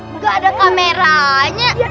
gak ada kameranya